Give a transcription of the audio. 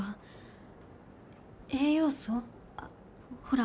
あっほら